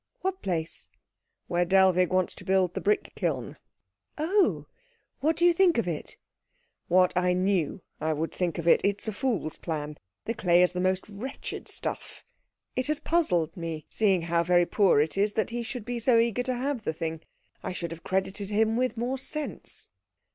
"What place?" "Where Dellwig wants to build the brick kiln." "Oh! What do you think of it?" "What I knew I would think of it. It is a fool's plan. The clay is the most wretched stuff. It has puzzled me, seeing how very poor it is, that he should be so eager to have the thing. I should have credited him with more sense."